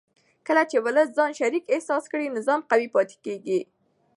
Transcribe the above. کله چې ولس ځان شریک احساس کړي نظام قوي پاتې کېږي